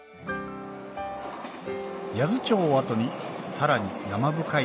八頭町を後にさらに山深い